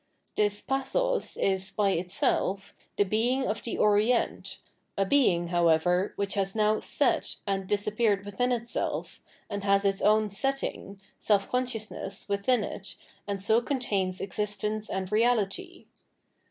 This "pathos" is, by itself, the Being of the Orient,* a Being, however, which has now " set " and disappeared within itself, and has its own "setting," seK consciousness, within it, and so contains existence and reality.